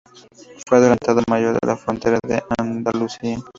Fue Adelantado mayor de la frontera de Andalucía.